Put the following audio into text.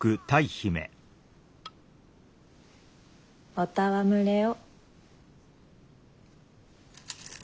お戯れを。